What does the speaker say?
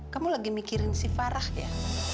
kamu lagi mikirin si farah ya